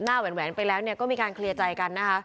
หน้าแหวนไปแล้วเนี่ยก็มีการเคลียร์ใจกัน